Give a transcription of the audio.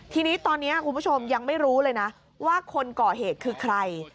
ทีนี้ตอนนี้คุณผู้ชมยังไม่รู้เลยนะว่าคนก่อเหตุคือใคร